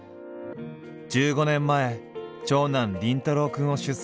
１５年前長男凛太郎くんを出産。